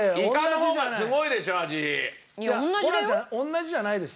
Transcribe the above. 同じじゃないです。